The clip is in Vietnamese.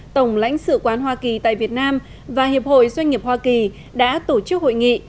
tổng lãnh sự quán hoa kỳ tại việt nam và hiệp hội doanh nghiệp hoa kỳ đã tổ chức hội nghị